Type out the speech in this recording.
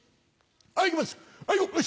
はい行きますよし！